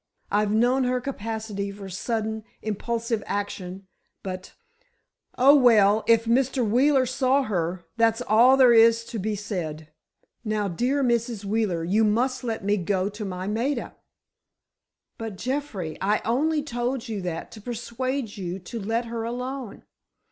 I've known her capability for sudden, impulsive action but—oh, well, if Mr. Wheeler saw her—that's all there is to be said. Now, dear Mrs. Wheeler, you must let me go to my Maida!" "But, Jeffrey, I only told you that to persuade you to let her alone.